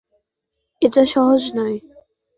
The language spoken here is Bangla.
এটা এতটা সহজ নয়।